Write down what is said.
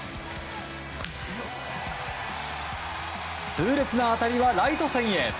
痛烈な当たりはライト線へ。